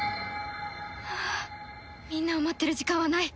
ああみんなを待ってる時間はない。